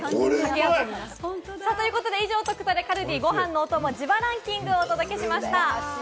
以上、トクトレ、カルディご飯のお供自腹ンキングをお届けしました。